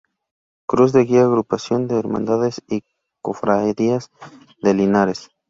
Cruz de Guía agrupación de Hermandades y Cofradías de Linares.